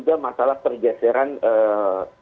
dan juga masalah pergeseran papok ke indonesia